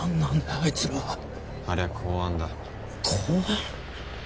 あいつらありゃ公安だ公安？